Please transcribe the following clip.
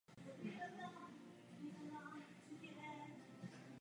Hlavou Slovenské republiky je prezident.